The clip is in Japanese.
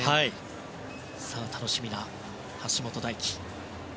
楽しみな、橋本大輝。